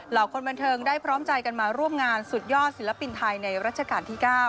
คนบันเทิงได้พร้อมใจกันมาร่วมงานสุดยอดศิลปินไทยในรัชกาลที่๙